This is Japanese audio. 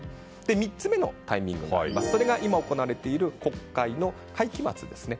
３つ目のタイミングはそれが今行われている国会の会期末ですね。